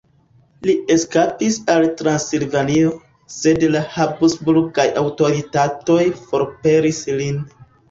Li eskapis al Transilvanio, sed la habsburgaj aŭtoritatoj forpelis lin.